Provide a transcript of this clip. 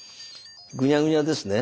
グニャグニャですね。